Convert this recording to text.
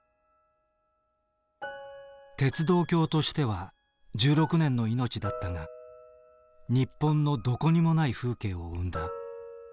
鉄道橋としては１６年の命だったが日本のどこにもない風景を生んだ。